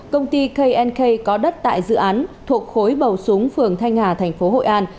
công ty knk có đất tại dự án thuộc khối bầu súng phường thanh hà thành phố hội an